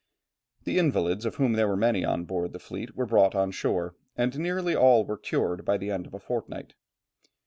The invalids, of whom there were many on board the fleet, were brought on shore, and nearly all were cured by the end of a fortnight.